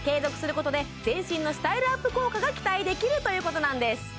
全身のスタイルアップ効果が期待できるということなんです